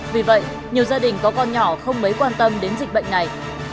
vì vậy nhiều gia đình có con nhỏ không mấy quan tâm đến dịch bệnh này